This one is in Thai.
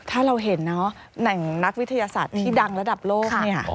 ถ้าเราเห็นเนาะแหล่งนักวิทยาศาสตร์ที่ดังระดับโลกเนี่ย